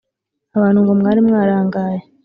abantu ngo mwari mwarangaye